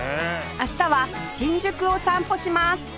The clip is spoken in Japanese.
明日は新宿を散歩します